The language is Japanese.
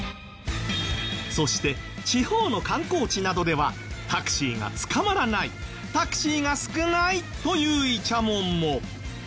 そして地方の観光地などでは「タクシーが捕まらない」「タクシーが少ない」というイチャモンも。